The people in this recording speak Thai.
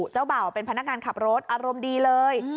เจ้าบ่าวเป็นพนักงานขับรถอารมณ์ดีเลย